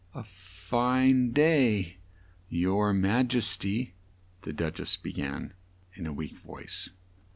"A fine day, your ma jes ty!" the Duch ess be gan in a weak voice.